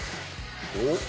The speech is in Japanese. おっ！